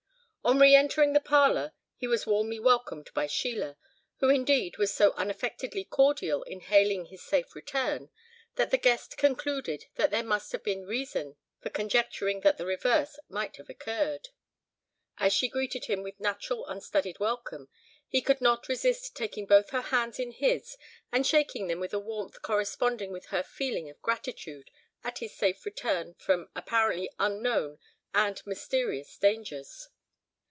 On re entering the parlour he was warmly welcomed by Sheila, who indeed was so unaffectedly cordial in hailing his safe return, that the guest concluded that there must have been reason for conjecturing that the reverse might have occurred. As she greeted him with natural unstudied welcome, he could not resist taking both her hands in his, and shaking them with a warmth corresponding with her feeling of gratitude at his safe return from apparently unknown and mysterious dangers.